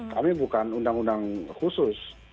kami bukan undang undang khusus